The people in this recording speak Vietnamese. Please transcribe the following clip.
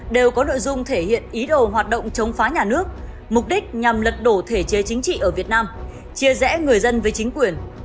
đều có nội dung thể hiện ý đồ hoạt động chống phá nhà nước mục đích nhằm lật đổ thể chế chính trị ở việt nam chia rẽ người dân với chính quyền